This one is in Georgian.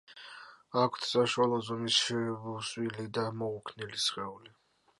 აქვთ საშუალო ზომის შებუსვილი და მოუქნელი სხეული.